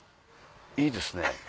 いいですね。